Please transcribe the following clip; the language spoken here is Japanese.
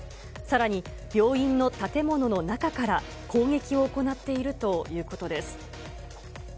さらに病院の建物の中から攻撃を行っているということです。